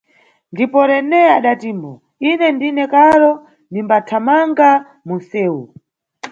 Ndipo Rene adatimbo: Ine ndine karo, nimbathamanga munʼsewu.